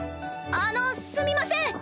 あのすみません。